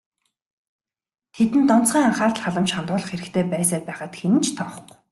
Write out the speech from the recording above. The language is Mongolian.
Тэдэнд онцгой анхаарал халамж хандуулах хэрэгтэй байсаар байхад хэн ч тоохгүй.